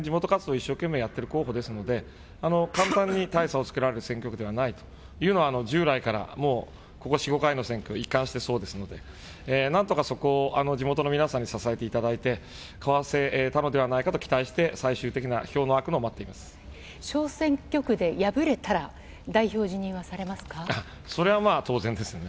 一生懸命やっている候補ですので、簡単に大差をつけられる選挙区ではないというのは従来からもう、ここ４、５回の選挙、一貫してそうですので、なんとかそこを地元の皆さんに支えていただいて、かわせたのではないかと期待して最終的な票の開くのを待っていま小選挙区で敗れたら、代表辞それはまあ当然ですね。